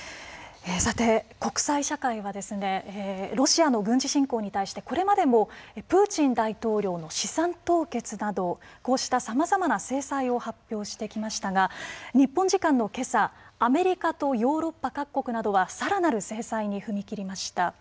さて、国際社会はロシアの軍事侵攻に対してこれまでもプーチン大統領の資産凍結などさまざまな制裁を発表してきましたが日本時間の今朝アメリカとヨーロッパ各国などはさらなる制裁に踏み切りました。